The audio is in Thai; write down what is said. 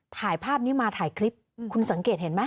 ถ่ายภาพนี้มาถ่ายคลิปคุณสังเกตเห็นไหม